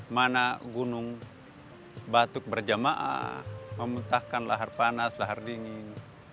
mana gunung batuk berjamaah memuntahkan lahar panas lahar dingin